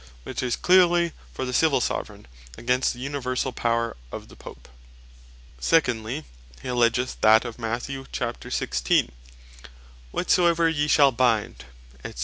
which is cleerly for the Civill Soveraignty, against the Universall power of the Pope. Secondly, he alledgeth that of Matth. 16. "Whatsoever yee shall bind, &c."